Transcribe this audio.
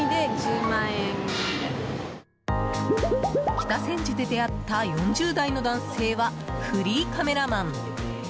北千住で出会った４０代の男性はフリーカメラマン。